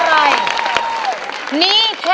พบอะไรครับ